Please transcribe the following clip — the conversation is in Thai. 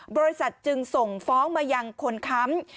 บริษัทจึงส่งฟ้องมายังคนค้ำ